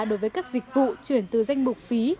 đối với các dịch vụ chuyển từ danh mục phí